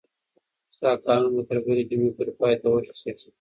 ستا کارونه به تر بلې جمعې پورې پای ته ورسیږي.